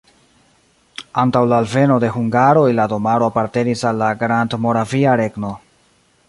Antaŭ la alveno de hungaroj la domaro apartenis al la Grandmoravia Regno.